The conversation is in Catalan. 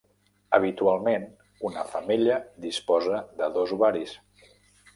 Habitualment una femella disposa de dos ovaris.